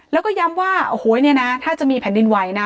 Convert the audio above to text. แล้วก็ย้ำว่าโอ้โหเนี่ยนะถ้าจะมีแผ่นดินไหวนะ